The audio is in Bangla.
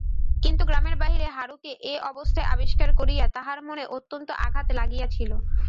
কিন্তু গ্রামের বাহিরে হারুকে এ অবস্থায় আবিষ্কার করিয়া তাহার মনে অত্যন্ত আঘাত লাগিয়াছিল।